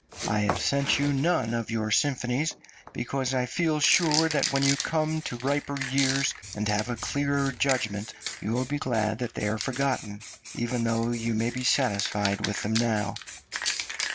I have sent you none of your symphonies because I feel sure that when you have come to riper years, and have a clearer judgment, you will be glad that they are forgotten, even though you may be satisfied with them now."